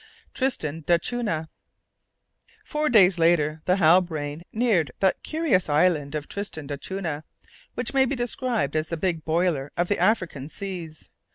TRISTAN D'ACUNHA. Four days later, the Halbrane neared that curious island of Tristan d'Acunha, which may be described as the big boiler of the African seas.